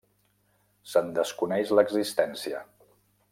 Se'n desconeix l'existència.